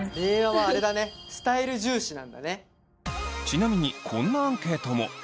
ちなみにこんなアンケートも！